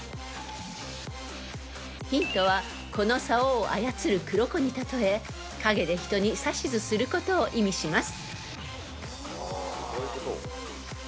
［ヒントはこのさおを操る黒子に例え陰で人を指示することを意味します］